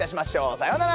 さようなら！